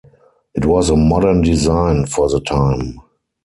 It was a modern design for the time.